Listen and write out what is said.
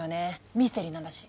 ミステリーなんだし。